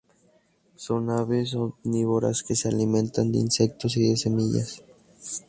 Son aves omnívoras que se alimentan de insectos y de semillas.